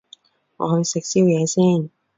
我去食宵夜先